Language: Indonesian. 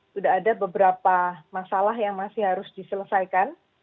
sudah ada beberapa masalah yang masih harus diselesaikan